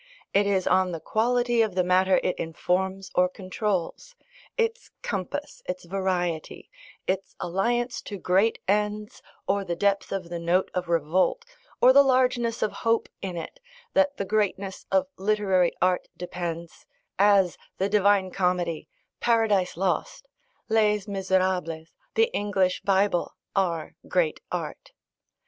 It is on the quality of the matter it informs or controls, its compass, its variety, its alliance to great ends, or the depth of the note of revolt, or the largeness of hope in it, that the greatness of literary art depends, as The Divine Comedy, Paradise Lost, Les Misérables, The English Bible, are great art.